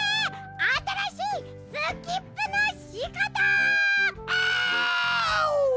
あたらしいスキップのしかた！アオ！